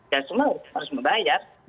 dan semua harus membayar